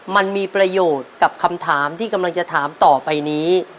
มันมีประโยชน์กับคำถามที่กำลังจะถามต่อไปนี้